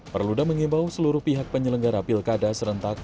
perluda mengimbau seluruh pihak penyelenggara pilkada serentak